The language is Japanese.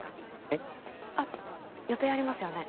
えっ？あっ予定ありますよね。